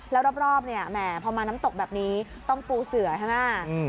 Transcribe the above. แล้วรอบเนี่ยแหมพอมาน้ำตกแบบนี้ต้องปูเสือใช่ไหม